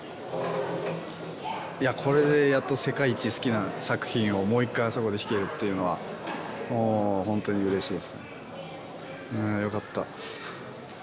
いやこれでやっと世界一好きな作品をもう一回あそこで弾けるっていうのはもうホントにうれしいですねよかった